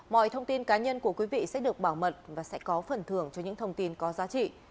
mọi thông tin cá nhân của quý vị sẽ được bảo mật và sẽ có phần thưởng cho những thông tin có giá trị